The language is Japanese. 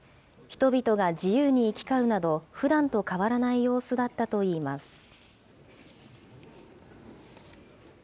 人々が自由に行き交うなど、ふだんと変わらない様子だったといいます。